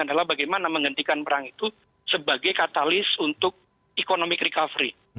adalah bagaimana menghentikan perang itu sebagai katalis untuk economic recovery